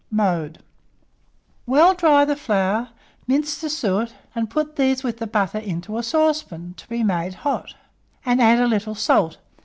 Mode. Well dry the flour, mince the suet, and put these with the butter into a saucepan, to be made hot, and add a little salt.